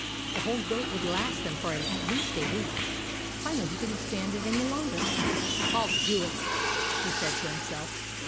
A whole goat would last them for at least a week. Finally, he could n't stand it any longer. " I '11 do it," he said to himself.